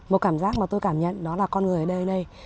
một cảm giác mà tôi cảm nhận đó là con người ở đây đây